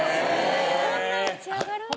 そんな打ち上がるんや。